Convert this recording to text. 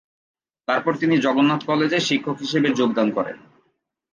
তারপর তিনি জগন্নাথ কলেজে শিক্ষক হিসেবে যোগদান করেন।